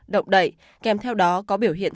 động đậy kèm theo đó có biểu hiện